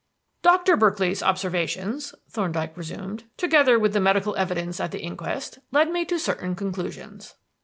"Doctor Berkeley's observations," Thorndyke resumed, "together with the medical evidence at the inquest, led me to certain conclusions.